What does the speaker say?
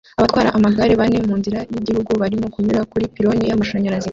Abatwara amagare bane munzira yigihugu barimo kunyura kuri pylon yamashanyarazi